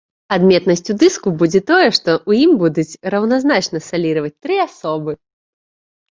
Адметнасцю дыску будзе тое, што ў ім будуць раўназначна саліраваць тры асобы.